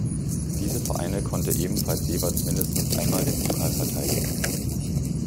Diese Vereine konnte ebenfalls jeweils mindestens einmal den Pokal verteidigen.